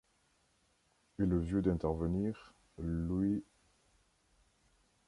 Et le vieux d’intervenir :« Lui…